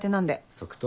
即答？